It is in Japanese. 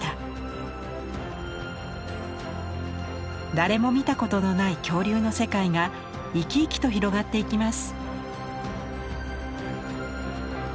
誰も見たことのない恐竜の世界が生き生きと広がっていきます。